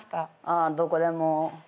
あどこでも。